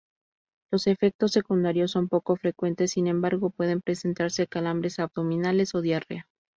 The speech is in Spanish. Los efectos secundarios son poco frecuentes, sin embargo, pueden presentarse calambres abdominales o diarrea.